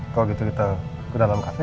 kalau gitu kita ke dalam kafe